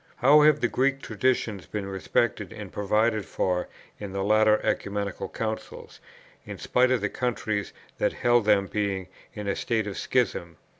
How have the Greek traditions been respected and provided for in the later Ecumenical Councils, in spite of the countries that held them being in a state of schism!